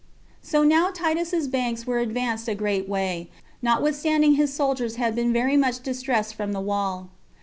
So now Titus's banks were advanced a great way, notwithstanding his soldiers had been very much distressed from the wall.